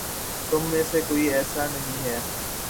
تم میں سے کوئی ایسا نہیں ہے